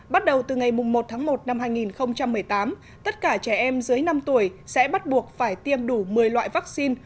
bắt đầu từ ngày một tháng một năm hai nghìn một mươi tám tất cả trẻ em dưới năm tuổi sẽ bắt buộc phải tiêm đủ một mươi loại vaccine